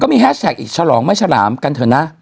มีแฮชแท็กอีกฉลองไม่ฉลามกันเถอะนะ